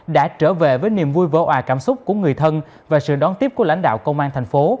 đã trở về với niềm vui vơ hoà cảm xúc của người thân và sự đón tiếp của lãnh đạo công an tp